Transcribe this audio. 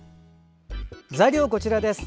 材料はこちらです。